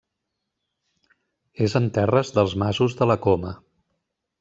És en terres dels Masos de la Coma.